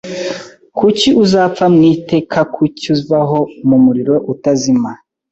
Kuki uzapfa MwitekaKuki ubaho mumuriro utazima